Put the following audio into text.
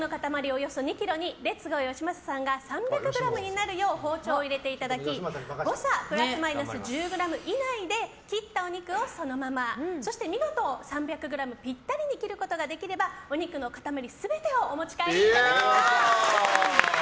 およそ２ｋｇにレッツゴーよしまささんが３００ｇになるよう包丁を入れていただき誤差プラスマイナス１０ｇ以内で切ったお肉をそのままそして見事３００ｇぴったりに切ることができればお肉の塊全てをお持ち帰りいただけます。